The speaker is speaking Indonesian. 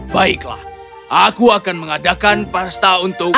baiklah aku akan mengadakan pasta untuk